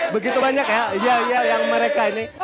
begitu banyak ya yang mereka ini